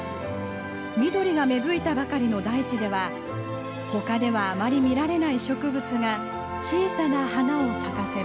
緑が芽吹いたばかりの台地では他ではあまり見られない植物が小さな花を咲かせます。